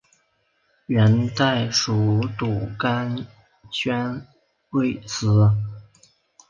元代属朵甘宣慰司。